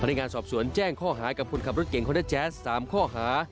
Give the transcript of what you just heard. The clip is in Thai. ในงานสอบสวนแจ้งข้อหากับคนขับรถเก่งคอนเดอร์แจ๊ส๓ข้อหา